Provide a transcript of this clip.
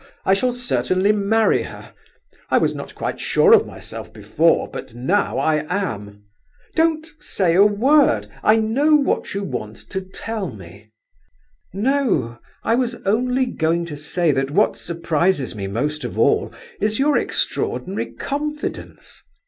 I shall certainly marry her. I was not quite sure of myself before, but now I am. Don't say a word: I know what you want to tell me—" "No. I was only going to say that what surprises me most of all is your extraordinary confidence."